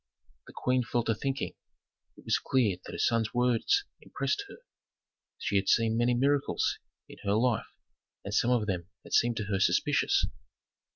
The queen fell to thinking; it was clear that her son's words impressed her. She had seen many miracles in her life and some of them had seemed to her suspicious.